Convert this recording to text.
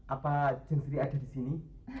apa jenisnya ada disini